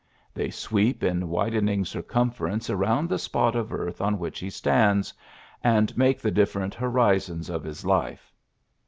They sweep in widening circumference around the spot of earth on which he stands, and make the different horizons of his life.